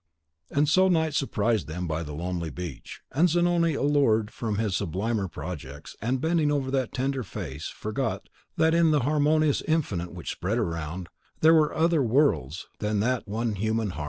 And so night surprised them by the lonely beach; and Zanoni, allured from his sublimer projects, and bending over that tender face, forgot that, in the Harmonious Infinite which spread around, there were other worlds than that one human heart.